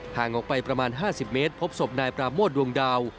ห่างออกไปประมาณ๕๐เมตรพบศพนายปราโมทดวงดาว